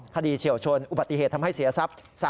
เฉียวชนอุบัติเหตุทำให้เสียทรัพย์